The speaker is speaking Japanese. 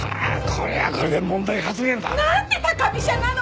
これはこれで問題発言だ。なんて高飛車なの！